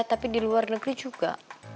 tapi di luar negeri juga